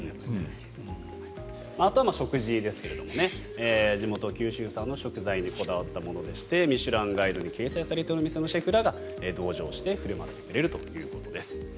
あとは食事ですけど地元、九州産の食材にこだわったものでして「ミシュランガイド」に掲載されているお店のシェフらが振る舞ってくれるということです。